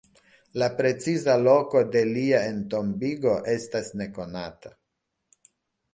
La preciza loko de lia entombigo estas nekonata.